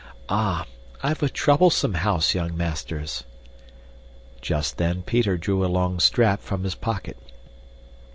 Ah! I've a troublesome house, young masters." Just then Peter drew a long strap from his pocket.